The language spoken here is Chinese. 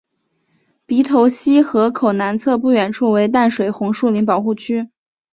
鼻头溪河口南侧不远处为淡水红树林保护区。